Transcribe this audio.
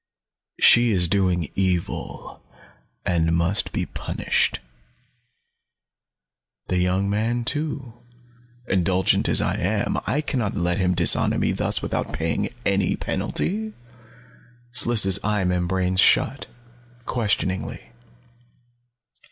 She is doing evil, and must be punished. The young man, too indulgent as I am, I can not let him dishonor me thus without paying any penalty." Sliss' eye membranes shut, questioningly.